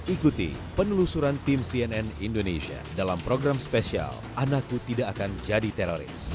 ikuti penelusuran tim cnn indonesia dalam program spesial anakku tidak akan jadi teroris